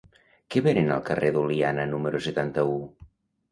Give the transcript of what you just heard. Què venen al carrer d'Oliana número setanta-u?